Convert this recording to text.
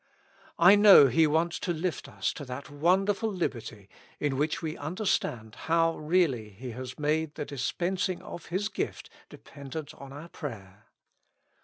I know He wants to lift us to that wonderful liberty, in which we under stand how really He has made the dispensing of His gift dependent on our prayer.